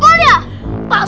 bau pesing nyumpul ya